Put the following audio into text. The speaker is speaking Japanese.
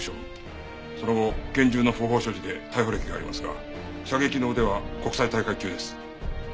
その後拳銃の不法所持で逮捕歴がありますが射撃の腕は国際大会級です。